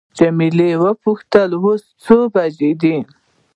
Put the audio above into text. جميله وپوښتل اوس څو بجې دي.